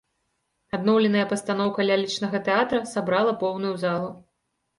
Адноўленая пастаноўка лялечнага тэатра сабрала поўную залу.